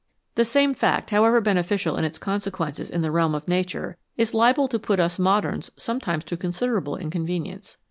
The same fact, however beneficial in its consequences in the realm of Nature, is liable to put us moderns sometimes to considerable inconvenience.